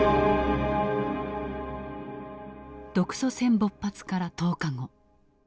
独ソ戦勃発から１０日後。